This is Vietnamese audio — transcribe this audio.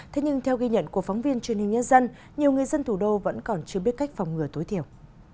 thế nhưng theo ghi nhận của phóng viên truyền hình nhân dân nhiều người dân thủ đô vẫn còn chưa biết cách phòng ngừa tối thiểu